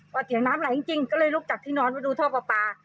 ว่าเสียงน้ำไหลจริงจริงจริงก็เลยลุกจากที่นอนไปดูท่อป๊าป๊า